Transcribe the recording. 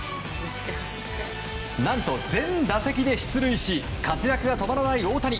何と、全打席で出塁し活躍が止まらない大谷。